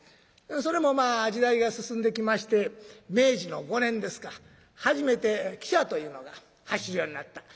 それも時代が進んできまして明治の５年ですか初めて汽車というのが走るようになった。